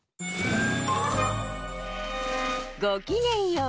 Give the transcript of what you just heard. ごきげんよう。